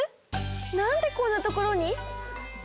なんでこんなところに？